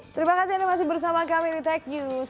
terima kasih anda masih bersama kami di tech news